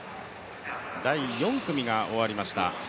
第４組が終わりました。